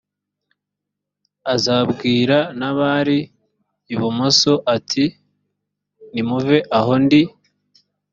azabwira n abari ibumoso ati nimuve aho ndi